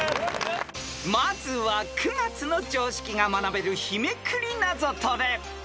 ［まずは９月の常識が学べる日めくりナゾトレ］